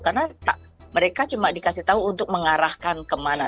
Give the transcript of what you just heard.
karena mereka cuma dikasih tahu untuk mengarahkan kemana